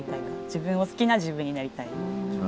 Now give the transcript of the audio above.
自分を好きな自分になりたい？